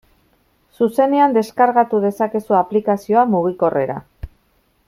Zuzenean deskargatu dezakezu aplikazioa mugikorrera.